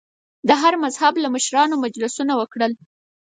د هر مذهب له مشرانو مجلسونه وکړل.